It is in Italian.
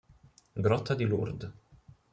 Grotta di Lourdes